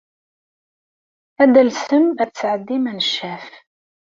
Ad talsemt ad d-tesɛeddimt aneccaf.